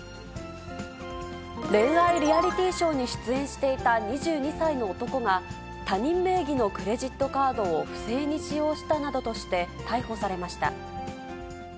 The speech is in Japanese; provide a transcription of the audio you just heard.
恋愛リアリティーショーに出演していた２２歳の男が、他人名義のクレジットカードを不正に使用したなどとして、逮捕されました。